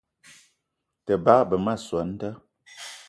Te bagbe ma soo an da